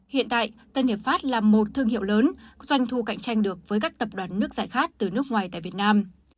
hiện tại tân hiệp pháp là một thương hiệu lớn doanh thu cạnh tranh được với các tập đoàn nước giải khát từ nước ngoài tại việt nam